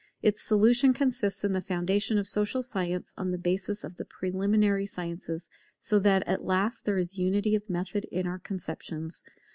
Its solution consists in the foundation of social science on the basis of the preliminary sciences, so that at last there is unity of method in our conceptions.